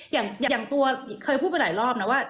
อย่างตัวเคยพูดไปหลายรอบนะว่า